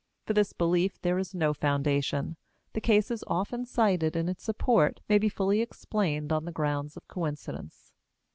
For this belief there is no foundation; the cases often cited in its support may be fully explained on the grounds of coincidence.